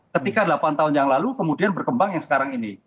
ketika delapan tahun yang lalu kemudian berkembang yang sekarang ini